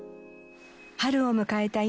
春を迎えた